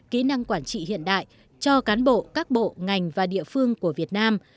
kỹ năng quản trị hiện đại cho cán bộ các bộ ngành và địa phương của việt nam